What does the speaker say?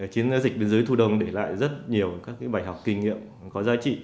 chiến dịch biên giới thu đông để lại rất nhiều các bài học kinh nghiệm có giá trị